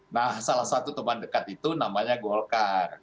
nah salah satu teman dekat itu namanya golkar